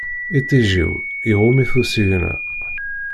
Iṭij-iw, iɣumm-it usigna.